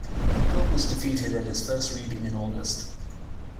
The bill was defeated at its first reading in August.